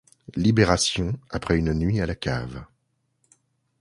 Libération après une nuit à la cave.